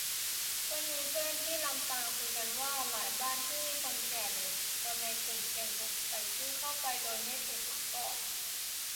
วันนี้เพื่อนที่ลำปางคุยกันว่า หลายบ้านที่มีคนแก่หรือคนในกลุ่มเสี่ยง ถูกใส่ชื่อเข้าไปโดยไม่ถูกถามก่อน